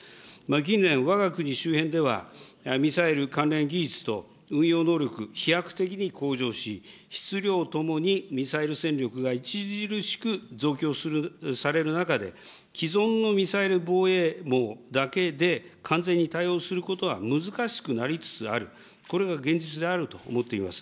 近年、わが国周辺では、ミサイル関連技術と運用能力、飛躍的に向上し、質量ともにミサイル戦力が著しく増強される中で、既存のミサイル防衛網だけで、完全に対応することは難しくなりつつある、これが現実であると思っています。